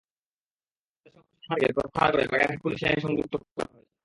তাঁদের সংশ্লিষ্ট থানা থেকে প্রত্যাহার করে বাগেরহাট পুলিশ লাইনে সংযুক্ত করা হয়েছে।